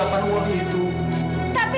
asalahnya bisa rev